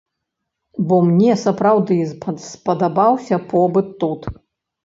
Бо мне сапраўды спадабаўся побыт тут.